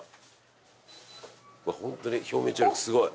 うわホントに表面張力すごい。